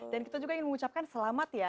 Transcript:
dan kita juga ingin mengucapkan selamat ya